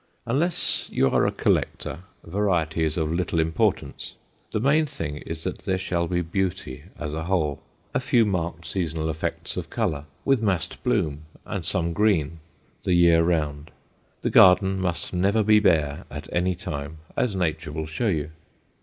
Unless you are a collector, variety is of little importance. The main thing is that there shall be beauty as a whole, a few marked seasonal effects of color with massed bloom and some green the year round; the garden must never be bare at any time, as nature will show you.